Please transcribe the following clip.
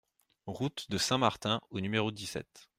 Route de St Martin au numéro dix-sept